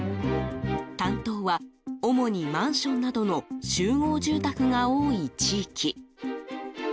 担当は、主にマンションなどの集合住宅が多い地域。